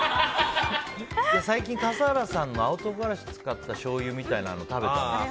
最近、笠原さんが青唐辛子使ったしょうゆみたいなの食べたの。